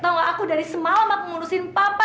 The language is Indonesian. tau gak aku dari semalam aku ngurusin papa